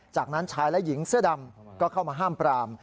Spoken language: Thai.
จากนั้นชายและหญิงเสื้อดำก็เข้ามาห้ามปราม